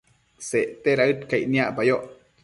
Secte daëd caic niacpayoc